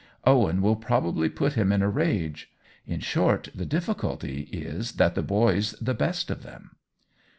Owen will probably put him in a rage. In short, the difficulty is that the boy's the best of them."